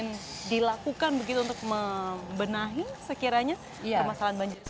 yang dilakukan begitu untuk membenahi sekiranya permasalahan banjir